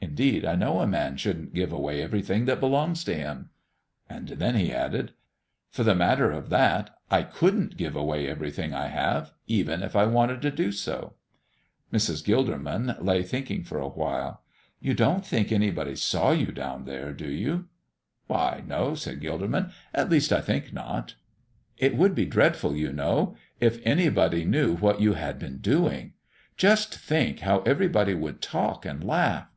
Indeed, I know a man shouldn't give away everything that belongs to him." And then he added: "For the matter of that, I couldn't give away everything I have, even if I wanted to do so." Mrs. Gilderman lay thinking for a while. "You don't think anybody saw you down there, do you?" "Why, no," said Gilderman; "at least, I think not." "It would be dreadful, you know, if anybody knew what you had been doing. Just think how everybody would talk and laugh.